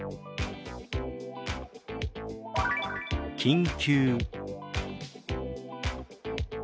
「緊急」。